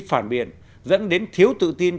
phản biệt dẫn đến thiếu tự tin